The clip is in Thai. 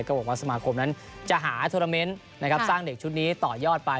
ก็บอกว่าสมาคมนั้นจะหาโทรเมนต์สร้างเด็กชุดนี้ต่อยอดไป